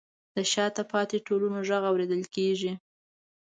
د شاته پاتې ټولنو غږ اورېدل کیږي.